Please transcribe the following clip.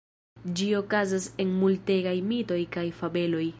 Ĝi okazas en multegaj mitoj kaj fabeloj.